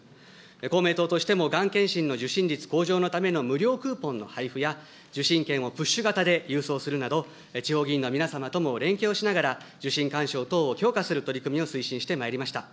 公明党としてもがん検診の受診率向上のための無料クーポンの配布や、受診券をプッシュ型で郵送するなど、地方議員の皆様とも連携をしながら、受診勧奨等を強化する取り組みを推進してまいりました。